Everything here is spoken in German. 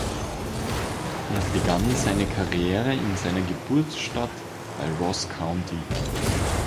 Er begann seine Karriere in seiner Geburtsstadt bei Ross County.